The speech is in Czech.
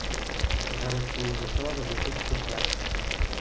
S herectvím začala ve věku čtyř let.